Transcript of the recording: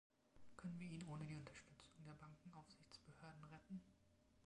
Können wir ihn ohne die Unterstützung der Bankenaufsichtsbehörden retten?